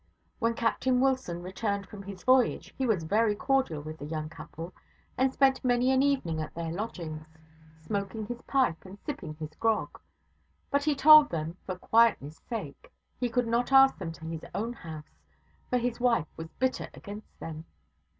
When Captain Wilson returned from his voyage he was very cordial with the young couple, and spent many an evening at their lodgings, smoking his pipe and sipping his grog; but he told them, for quietness' sake, he could not ask them to his own house; for his wife was bitter against them.